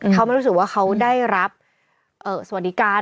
เขาไม่รู้สึกว่าเขาได้รับสวัสดิการ